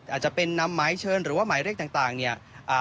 อาจจะเป็นนำไม้เชิญหรือว่าไม้เลขต่างต่างเนี่ยอ่า